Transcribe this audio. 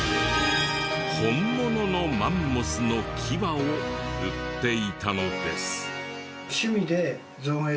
本物のマンモスの牙を売っていたのです。